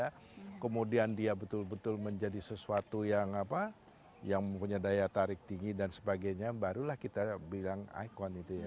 pembicara lima puluh lima kemudian dia betul betul menjadi sesuatu yang apa yang punya daya tarik tinggi dan sebagainya barulah kita bilang ikon itu ya